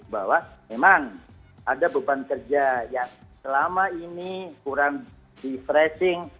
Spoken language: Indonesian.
bahwa memang ada beban kerja yang selama ini kurang di freshing